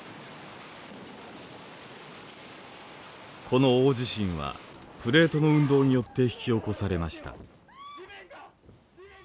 この大地震はプレートの運動によって引き起こされました。